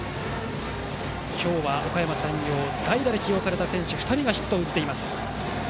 今日は、おかやま山陽代打で起用された選手２人がヒットを打っています。